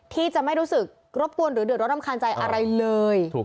ที่จะไม่รู้สึกรบกวนหรือเดือดร้อนรำคาญใจอะไรเลย